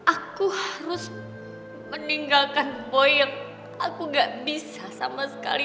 aku harus meninggalkan boy yang aku gak bisa sama sekali